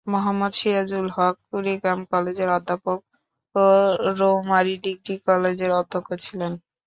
মোহাম্মদ সিরাজুল হক কুড়িগ্রাম কলেজের অধ্যাপক ও রৌমারী ডিগ্রী কলেজের অধ্যক্ষ ছিলেন।